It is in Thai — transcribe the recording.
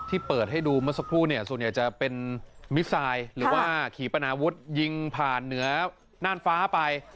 เปิดให้ดูเมื่อสักครู่เนี่ยส่วนใหญ่จะเป็นมิสไซด์หรือว่าขี่ปนาวุฒิยิงผ่านเหนือน่านฟ้าไป